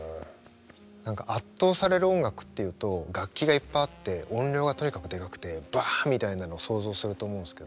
圧倒される音楽っていうと楽器がいっぱいあって音量がとにかくでかくてバッみたいなのを想像すると思うんですけど。